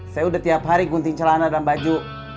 saya udah tiap hari gunting celana dan baju